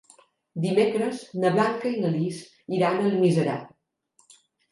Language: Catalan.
Dimecres na Blanca i na Lis iran a Almiserà.